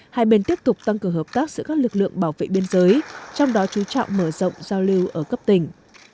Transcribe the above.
hai bên tiếp tục tăng cường hợp tác giữa các lực lượng bảo vệ biên giới trong đó chú trọng mở rộng giao lưu ở cấp tỉnh